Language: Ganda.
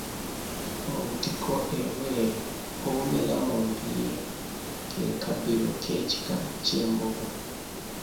Obutiko ebweru obumera mu mpiira ke kabbiro k’ekika ky’Embogo.